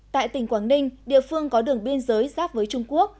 tại tỉnh quảng ninh địa phương có đường biên giới giáp với trung quốc